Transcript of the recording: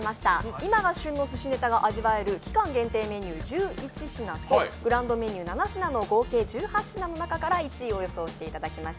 今が旬のすしネタが味わえる１１品グランドメニュー７品の合計１８品の中から１位を予想していただきます。